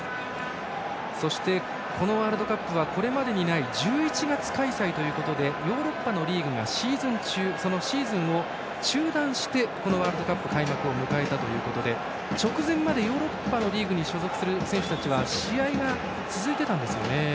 そして、このワールドカップはこれまでにない１１月開催でヨーロッパのリーグがシーズン中でシーズンを中断してこのワールドカップ開幕を迎えたということで直前までヨーロッパのリーグに所属する選手たちは試合が続いていたんですよね。